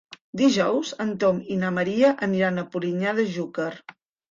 Dilluns en Tom i na Maria aniran a Polinyà de Xúquer.